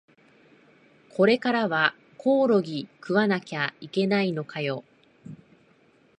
これからはコオロギ食わなきゃいけないのかよ